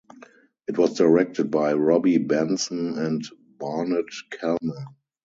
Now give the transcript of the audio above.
It was directed by Robby Benson and Barnet Kellman.